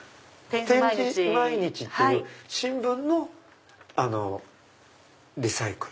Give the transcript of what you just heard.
『点字毎日』っていう新聞のリサイクル。